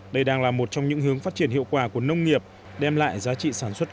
đây đang là một trong những hướng phát triển hiệu quả của nông nghiệp đem lại giá trị sản xuất cao